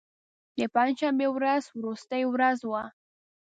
د پنج شنبې ورځ وروستۍ ورځ وه.